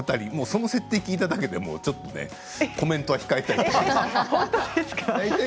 その設定を聞いただけでちょっとねコメントは控えたい。